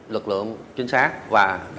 lực lượng trinh sát và